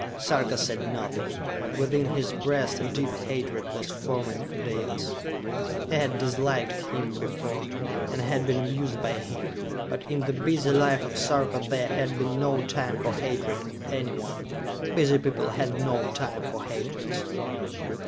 Sarka said nothing, but within his breast a deep hatred was forming for Dalis. He had disliked him before, and had been amused by him; but in the busy life of Sarka there had been no time for hatred of anyone. Busy people had no time for hatreds.